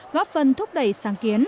góp phần thúc đẩy sáng kiến